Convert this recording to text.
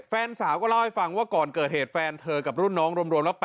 แฟนสาวก็เล่าให้ฟังว่าก่อนเกิดเหตุแฟนเธอกับรุ่นน้องรวมแล้ว